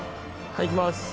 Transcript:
はい行きます。